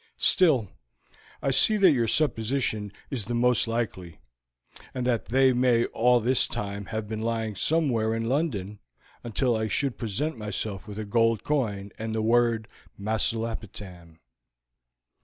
Still, I see that your supposition is the most likely, and that they may all this time have been lying somewhere in London until I should present myself with a gold coin and the word 'Masulipatam.'"